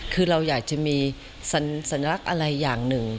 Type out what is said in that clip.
คือเราอยากจะมีสัญลักษณ์อะไรอย่างหนึ่ง